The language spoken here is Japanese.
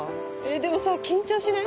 でもさ緊張しない？